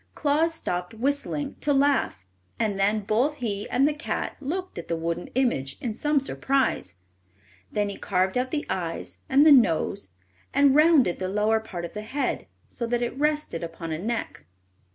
Claus stopped whistling to laugh, and then both he and the cat looked at the wooden image in some surprise. Then he carved out the eyes and the nose, and rounded the lower part of the head so that it rested upon a neck.